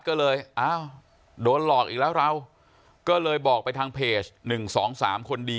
ก็เลยอ้าวโดนหลอกอีกแล้วเราก็เลยบอกไปทางเพจ๑๒๓คนดี